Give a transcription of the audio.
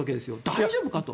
大丈夫かと。